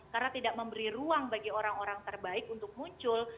karena tidak memberi ruang bagi orang orang terbaik untuk muncul